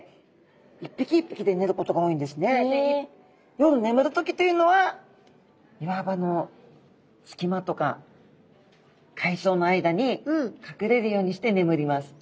夜ねむる時というのは岩場のすきまとか海藻の間にかくれるようにしてねむります。